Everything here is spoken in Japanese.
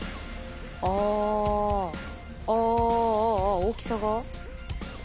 ああ大きさが？